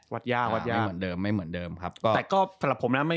วัดยากวัดยากไม่เหมือนเดิมไม่เหมือนเดิมครับแต่ก็สำหรับผมน่ะ